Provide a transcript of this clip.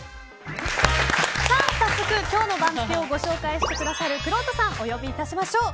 早速今日の番付をご紹介してくださるくろうとさんお呼び致しましょう。